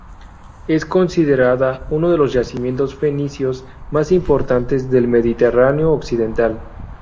Es considerada uno de los yacimientos fenicios más importantes del mediterráneo occidental.